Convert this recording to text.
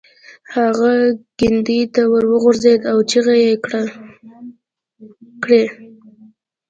هغه کندې ته وغورځید او چیغې یې کړې.